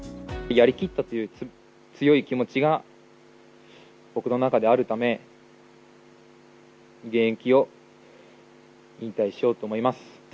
やりきったという強い気持ちが僕の中であるため、現役を引退しようと思います。